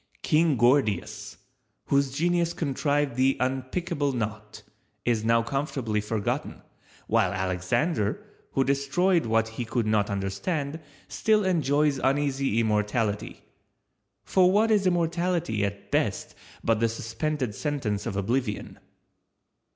King Gordius, whose genius contrived the unpickable knot, is now comfortably forgotten, while Alexander who destroyed what he could not understand, still enjoys uneasy immortality; for what is immortality at best but the suspended sentence of Oblivion?